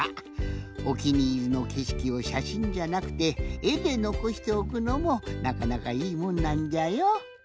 おきにいりのけしきをしゃしんじゃなくてえでのこしておくのもなかなかいいもんなんじゃよ。